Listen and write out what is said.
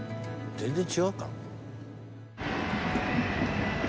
全然違うか。